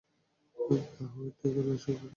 The white tiger, Ashok Sharma.